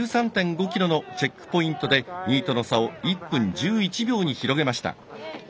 １３．５ｋｍのチェックポイントで２位との差を１分１１秒に広げました。